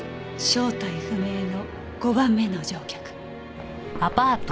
正体不明の５番目の乗客。